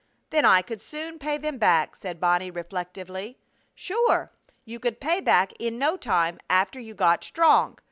"Then I could soon pay them back," said Bonnie, reflectively. "Sure! You could pay back in no time after you got strong.